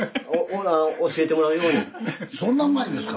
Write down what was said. そんなうまいんですか？